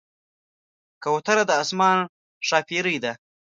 کوتره د آسمان ښاپېرۍ ده.